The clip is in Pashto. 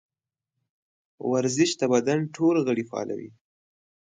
ورزش د بدن ټول غړي فعالوي.